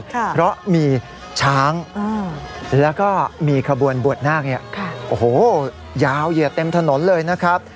เพราะมีช้างแล้วก็มีขบวนบวชนาคเนี่ยโอ้โหยาวเหยียดเต็มถนนเลยนะครับ